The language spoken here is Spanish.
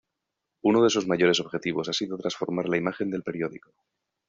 Uno de sus mayores objetivos ha sido transformar la imagen del periódico.